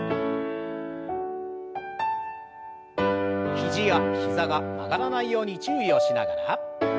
肘や膝が曲がらないように注意をしながら。